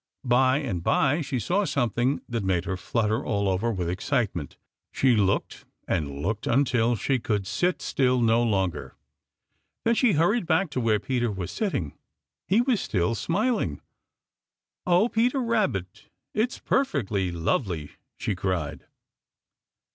By and by she saw something that made her flutter all over with excitement. She looked and looked until she could sit still no longer. Then she hurried back to where Peter was sitting. He was still smiling. "Oh, Peter Rabbit, it's perfectly lovely!" she cried.